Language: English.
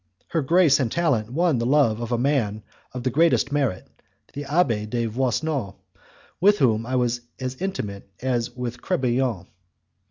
Her grace and talent won the love of a man of the greatest merit, the Abbé de Voisenon, with whom I was as intimate as with Crebillon.